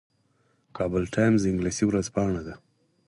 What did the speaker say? کابل ټایمز انګلیسي ورځپاڼه ده